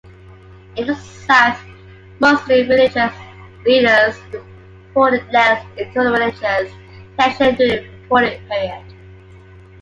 In the south, Muslim religious leaders reported less interreligious tension during the reporting period.